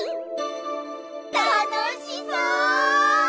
たのしそう！